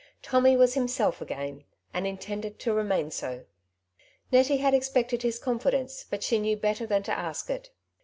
Tommy was himself again, and intended to remain so. Nettie had expected his confidence, but she knew better than to ask it.